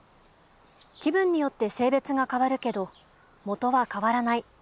気分によって性別が変わるけどもとは変わらない。